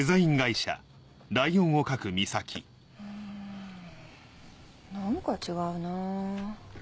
うん何か違うな。